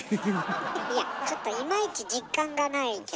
いやちょっといまいち実感がないけど。